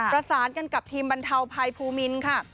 ประสานกันกับทีมบรรเทาภัยภูมินค่ะ